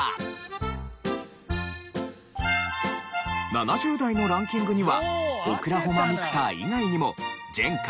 ７０代のランキングには『オクラホマミクサー』以外にも『ジェンカ』